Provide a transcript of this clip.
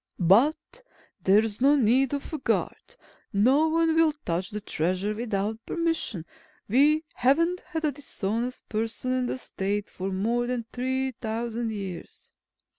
"But there's no need of a guard. No one will touch the Treasure without permission. We haven't had a dishonest person in the State for more than three thousand years."